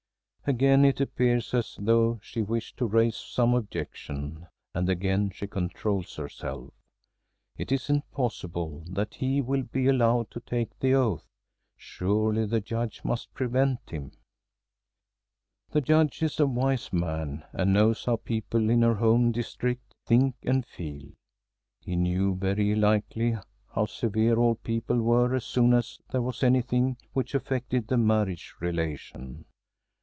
Again it appears as though she wished to raise some objection, and again she controls herself. It isn't possible that he will be allowed to take the oath. Surely the Judge must prevent him! The Judge is a wise man and knows how people in her home district think and feel. He knew, very likely, how severe all people were as soon as there was anything which affected the marriage relation.